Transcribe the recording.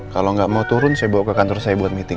kalau nggak mau turun saya bawa ke kantor saya buat meeting